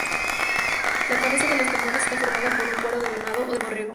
La cabeza de los tambores está forrada con cuero de venado o de borrego.